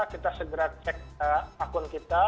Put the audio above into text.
kita segera cek akun kita